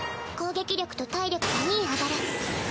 攻撃力と体力が２上がる。